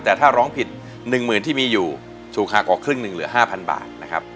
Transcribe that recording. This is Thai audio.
แต่ถ้าร้องผิด๑๐๐๐ที่มีอยู่ถูกหักกว่าครึ่งหนึ่งเหลือ๕๐๐บาทนะครับ